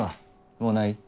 もうない？